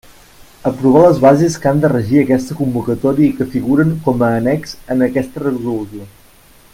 Aprovar les bases que han de regir aquesta convocatòria i que figuren com a annex en aquesta Resolució.